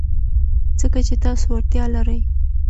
ځکه چې تاسو وړتیا لرئ.